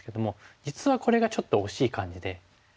実はこれがちょっと惜しい感じで。